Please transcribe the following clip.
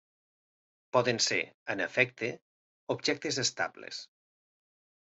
Poden ser, en efecte, objectes estables.